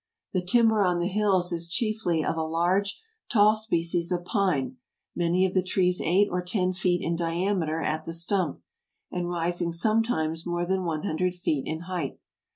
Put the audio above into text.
The timber on the hills is chiefly of a large, tall species of pine, many of the trees eight or ten feet in diameter at the stump, and rising sometimes more than one hundred feet in height.